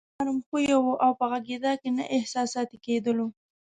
نرم خويه وو او په غږېدا کې نه احساساتي کېدلو.